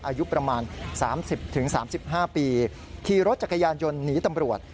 อายุประมาณ๓๐๓๕ปีขี่รถจักรยานยนต์หนีตำรวจ